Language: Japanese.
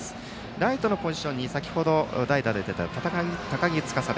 ライトのポジションに先程、代打で出た高木司。